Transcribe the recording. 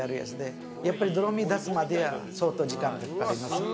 やっぱりどろみを出すまで相当時間がかかります。